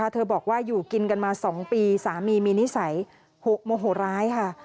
เธอบอกว่าอยู่กินกันมา๒ปีสามีมีนิสัยโมโหร้ายค่ะ